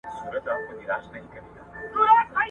ولي د بېوزلو خبره باطله ګڼل کیږي؟